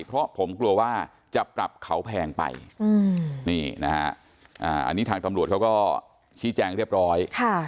เพราะผมกลัวว่าจะปรับเขาแพงไปนี่นะฮะอันนี้ทางตำรวจเขาก็ชี้แจงเรียบร้อย